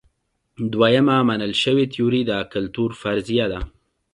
دویمه منل شوې تیوري د کلتور فرضیه ده.